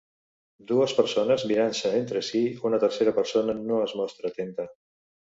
Dues persones mirant-se entre sí, una tercera persona no es mostra atenta.